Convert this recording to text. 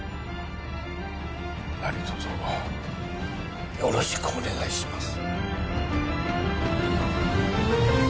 なにとぞよろしくお願いします